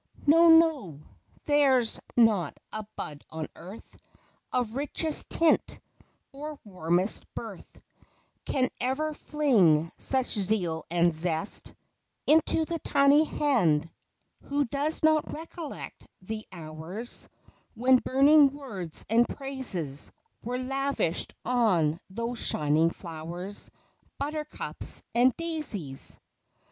No, no; there's not a bud on earth, Of richest tint, or warmest birth, Can ever fling such zeal and zest Into the tiny hand and breast. Who does not recollect the hours When burning words and praises Were lavished on those shining flowers, " Buttercups and Daisies